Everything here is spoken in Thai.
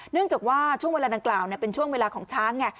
เนื่องจากว่าช่วงเวลาดังกล่าวเป็นช่วงเวลาของช้างไง